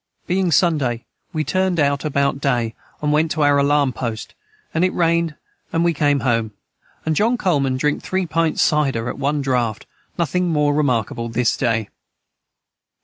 Being Sunday we turned out about day and went to our alarm post and it rained and we cam home and John coleman drinkt 3 pints cyder at one draught nothing more remarkable this day.